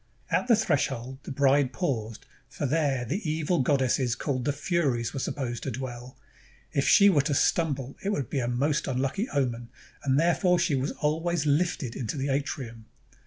At the threshold the bride paused, for there the evil goddesses called the Furies were supposed to dwell. If she were to stumble, it would be a most unlucky omen ; and therefore she was always hfted into the atrium.